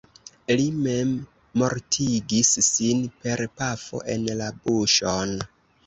Li memmortigis sin per pafo en la buŝon.